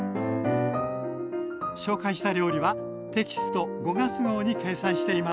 紹介した料理はテキスト５月号に掲載しています。